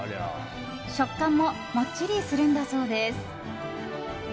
食感ももっちりするんだそうです。